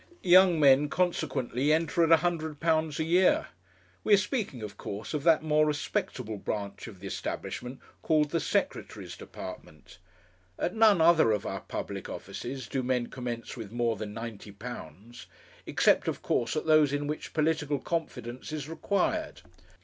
Young men consequently enter at £100 a year. We are speaking, of course, of that more respectable branch of the establishment called the Secretary's Department. At none other of our public offices do men commence with more than £90 except, of course, at those in which political confidence is required.